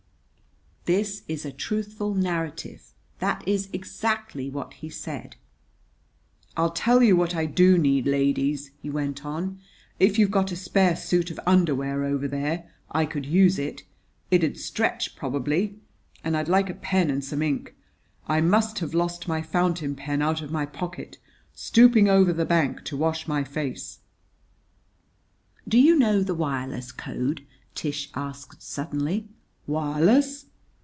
This is a truthful narrative. That is exactly what he said. "I'll tell you what I do need, ladies," he went on: "If you've got a spare suit of underwear over there, I could use it. It'd stretch, probably. And I'd like a pen and some ink. I must have lost my fountain pen out of my pocket stooping over the bank to wash my face." "Do you know the wireless code?" Tish asked suddenly. "Wireless?"